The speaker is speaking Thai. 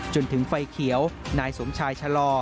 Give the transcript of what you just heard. จนถึงไฟเขียวนายสมชายชะลอ